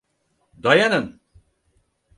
Dayanın!